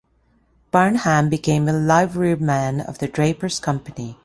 Barnham became a liveryman of the Drapers' Company.